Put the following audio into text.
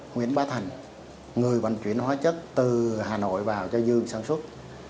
nguyễn bá thành người vận chuyển hóa chất từ hà nội vào cho dương sản xuất